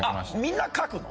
みんな描くの？